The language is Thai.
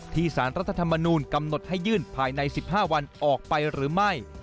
สารรัฐธรรมนูลกำหนดให้ยื่นภายใน๑๕วันออกไปหรือไม่